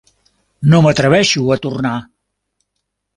No m'atreveixo a tornar.